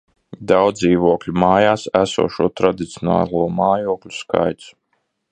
Daudzdzīvokļu mājās esošo tradicionālo mājokļu skaits